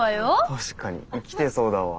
確かに生きてそうだわ。